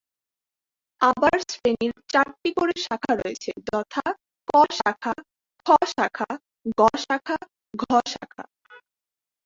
আবার শ্রেণির চারটি করে শাখা রয়েছে যথা ‘ক’ শাখা, ‘খ’ শাখা, ‘গ’ শাখা, ‘ঘ’ শাখা।